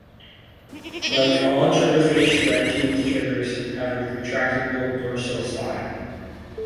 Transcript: Like all triggerfish redtoothed triggers have a retractable dorsal spine.